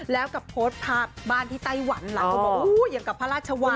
แล้วกับโพสท์พาบ้านที่ไตรหวันอย่างที่พระราชวัง